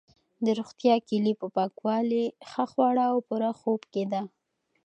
د روغتیا کلي په پاکوالي، ښه خواړه او پوره خوب کې ده.